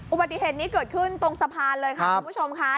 อุบัติเหตุนี้เกิดขึ้นตรงสะพานเลยค่ะคุณผู้ชมค่ะ